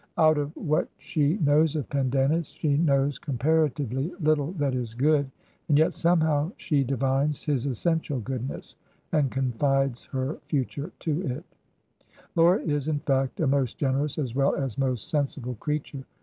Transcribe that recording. Out of what she knows of Pendennis she knows com paratively little that is good, and yet somehow she 212 Digitized by VjOOQIC THACKERAY'S GOOD HEROINES divines his essential goodness, and confides her future to it. Laura is, in fact, a most generous as well as most sensible creature.